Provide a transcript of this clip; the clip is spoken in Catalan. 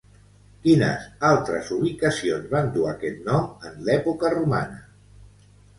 Quines altres ubicacions van dur aquest nom en l'època romana?